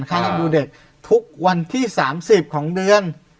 เลี้ยงดูเด็กทุกวันที่๓๐ของเดือน